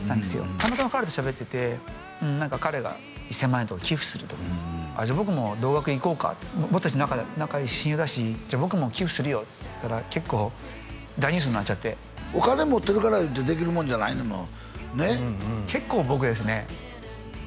たまたま彼としゃべってて彼が１０００万円とか寄付するとじゃあ僕も同額いこうか僕達仲いいし親友だし僕も寄付するよって言ったら結構大ニュースになっちゃってお金持ってるからいうてできるもんじゃないねんもん結構僕ですね